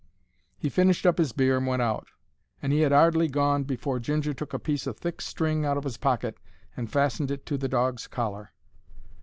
He finished up 'is beer and went out; and he 'ad 'ardly gone afore Ginger took a piece o' thick string out of 'is pocket and fastened it to the dog's collar.